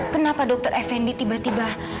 kenapa dr effendi tiba tiba